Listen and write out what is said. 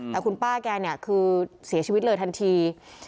แต่คุณป้าแกเนี่ยคือเสียชีวิตเลยทันที